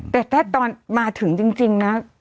แต่ถ้าตอนมาถึงจริงนะ